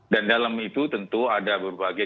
dan dalam itu tentu ada berbagai